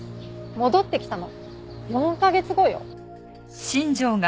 戻ってきたの４カ月後よ。